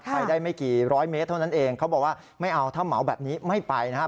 ไปได้ไม่กี่ร้อยเมตรเท่านั้นเองเขาบอกว่าไม่เอาถ้าเหมาแบบนี้ไม่ไปนะครับ